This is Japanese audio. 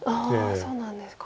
そうなんですか。